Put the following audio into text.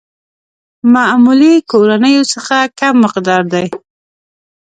معمولي کورنيو څخه کم مقدار دي.